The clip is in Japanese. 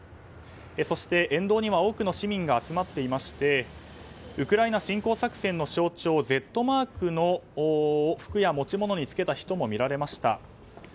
そして、沿道には多くの市民が集まっていましてウクライナ侵攻作戦の象徴Ｚマークを服や持ち物につけた人も見られました。